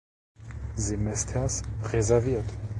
Semesters reserviert.